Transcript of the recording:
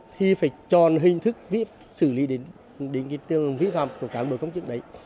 thì phải tròn hình thức xử lý đến cái tương ứng vi phạm của cán bộ công chức đấy